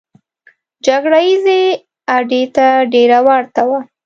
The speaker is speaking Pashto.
جګړه ییزې اډې ته ډېره ورته وه.